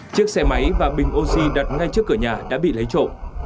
chiếc xe máy và bình oxy đặt ngay trước cửa nhà đã bị lấy trộm